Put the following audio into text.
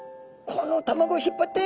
この卵を引っ張って」。